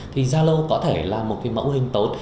thì zalo có thể là một cái mẫu hình tốt